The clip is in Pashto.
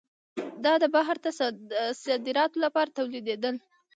دا د بهر ته صادراتو لپاره تولیدېدل.